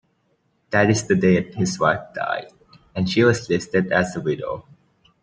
That is the date his wife died, and she was listed as a widow.